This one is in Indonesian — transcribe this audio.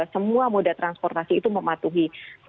semua moda transportasi itu mematuhi